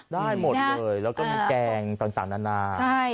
ได้หมดเลยแล้วก็มีแกงต่างนานา